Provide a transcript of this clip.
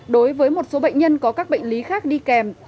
đối với một số bệnh nhân có các bệnh lý khác đi kèm